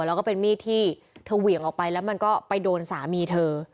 แล้วก็เป็นมีดที่เธอเหวี่ยงออกไปแล้วมันก็ไปโดนสามีเธอ